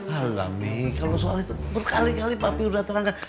alami kalau soal itu berkali kali papi sudah terangkan